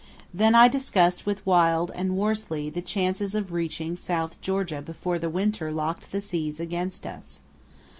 Then I discussed with Wild and Worsley the chances of reaching South Georgia before the winter locked the seas against us.